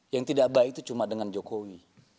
yang tidak baik itu cuma dengan jokowi